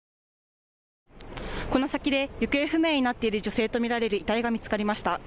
この先で行方不明になっている女性と見られる遺体が見つかりました。